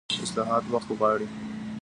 اصلاحات وخت غواړي